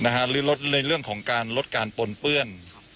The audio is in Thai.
หรือลดในเรื่องของการลดการปนเปื้อน